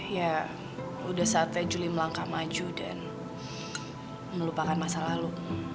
ya udah saatnya juli melangkah maju dan melupakan masa lalu